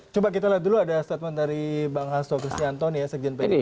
coba kita lihat dulu ada statement dari bang asto kristianto nih ya sekjen pak yudha